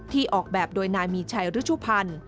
ออกแบบโดยนายมีชัยรุชุพันธ์